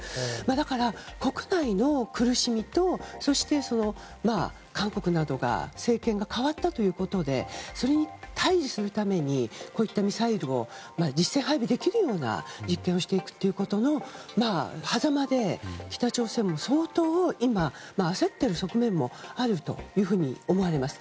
だから、国内の苦しみとそして韓国などが政権が代わったということでそれに対峙するためにこういったミサイルを実戦配備できるような実験をしていくということのはざまで北朝鮮も相当今、焦っている側面もあると思われます。